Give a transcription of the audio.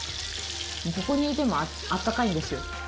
ここにいても温かいんですよ。